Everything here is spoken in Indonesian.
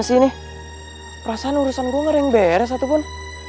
masih ini perasaan urusan gue ngereng beres ataupun